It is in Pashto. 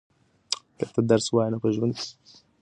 که ته درس ووایې نو په ژوند کې به بریالی شې.